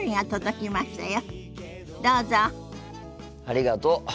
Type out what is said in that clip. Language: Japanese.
ありがとう。